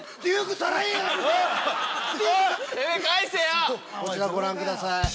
こちらご覧ください